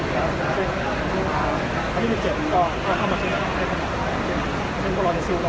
ครับผมอ่อมันยังมีอีกหนึ่งนะครับ